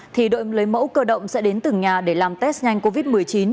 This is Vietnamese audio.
thì đội lấy mẫu cơ động sẽ đến từng nhà để làm test nhanh covid một mươi chín